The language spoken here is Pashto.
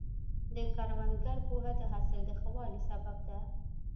د کروندګر پوهه د حاصل د ښه والي سبب ده.